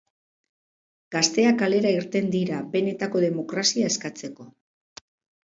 Gazteak kalera irten dira, benetako demokrazia eskatzeko.